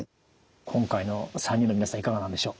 今回の３人の皆さんいかがなんでしょう？